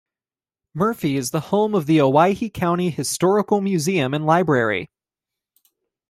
Murphy is the home of the Owyhee County Historical Museum and Library.